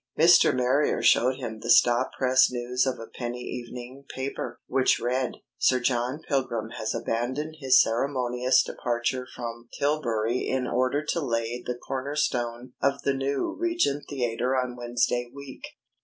Mr. Marrier showed him the stop press news of a penny evening paper, which read: "Sir John Pilgrim has abandoned his ceremonious departure from Tilbury in order to lay the corner stone of the new Regent Theatre on Wednesday week.